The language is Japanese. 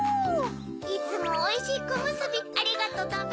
いつもおいしいこむすびありがとだべ。